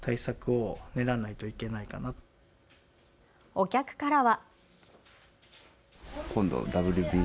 お客からは。